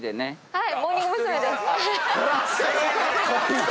はい！